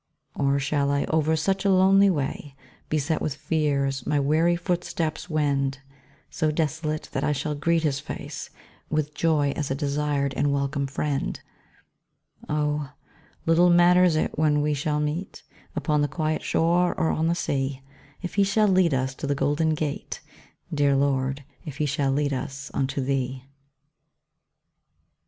Or shall I over such a lonely way, Beset with fears, my weary footsteps wend, So desolate, that I shall greet his face With joy as a desired and welcome friend? Oh, little matters it when we shall meet, Upon the quiet shore, or on the sea, If he shall lead us to the golden gate, Dear Lord, if he shall lead us unto Thee.